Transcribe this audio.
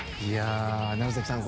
楢崎さん